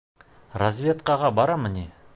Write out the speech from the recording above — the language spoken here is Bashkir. Разведкаға барамы ни.